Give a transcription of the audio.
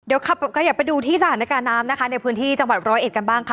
เดี๋ยวขยับไปดูที่สถานการณ์น้ำนะคะในพื้นที่จังหวัดร้อยเอ็ดกันบ้างค่ะ